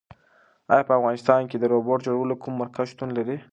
ایا په افغانستان کې د روبوټ جوړولو کوم مرکز شتون لري؟